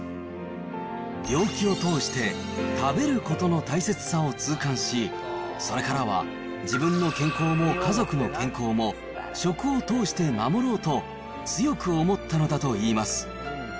病気を通して、食べることの大切さを痛感し、それからは自分の健康も家族の健康も、食を通して守ろうと、強く思ったのだといいます。